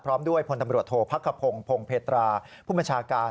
พร้อมด้วยพลตำรวจโทษพักขพงศ์พงเพตราผู้บัญชาการ